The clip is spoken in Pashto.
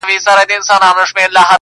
د مرګي لښکري بند پر بند ماتیږي٫